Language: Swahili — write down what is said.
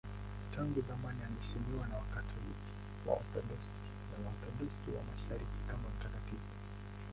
Tangu zamani anaheshimiwa na Wakatoliki, Waorthodoksi na Waorthodoksi wa Mashariki kama mtakatifu.